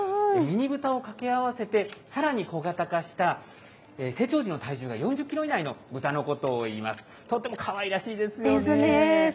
ミニブタを掛け合わせて、さらに小型化した、成長時の体重が４０キロ以内のブタのことをいいます。ですね。